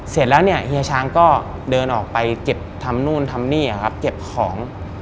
เสร็จแล้วเนี่ยเฮียช้างก็เดินออกไปเก็บทำนู่นทำนี่ครับเก็บของ